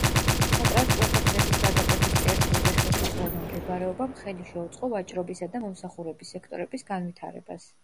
სატრანსპორტო გზების გადაკვეთის წერტილზე ხელსაყრელმა მდებარეობამ ხელი შეუწყო ვაჭრობისა და მომსახურების სექტორების განვითარებას.